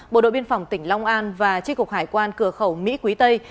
bộ đội biên phòng tỉnh long an và tri cục hải quan cửa khẩu mỹ quý tây